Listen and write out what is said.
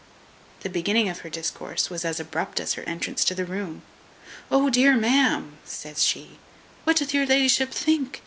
The beginning of her discourse was as abrupt as her entrance into the room. "O dear ma'am!" says she, "what doth your la'ship think?